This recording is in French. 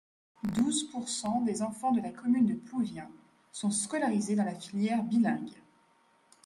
Douze pourcents des enfants de la commune de Plouvien sont scolarisés dans la filière bilingue.